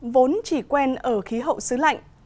vốn chỉ quen ở khí hậu xứ lạnh